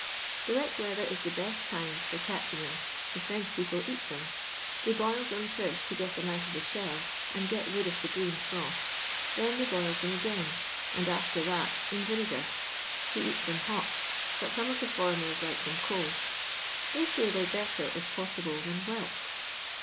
The wet weather is the best times for catching 'em ; the French people eats 'era. They boils *em first to get 'em out of the shell and get rid of the green froth ; then they boils them again, and after that in yinegar. They cats 'em not, but some of the foreigners likes 'em cold. They say they 're better, if possible, than whelks.